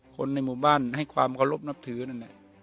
คนในหมู่บ้านให้ความเคารพนับถือนั่นแหละ